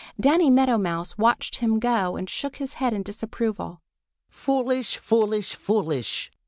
Danny Meadow Mouse watched him go and shook his head in disapproval. "Foolish, foolish, foolish!"